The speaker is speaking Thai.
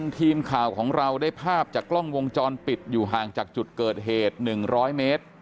ทีมข่าวของเราได้ภาพจากกล้องวงจรปิดอยู่ห่างจากจุดเกิดเหตุ๑๐๐เมตร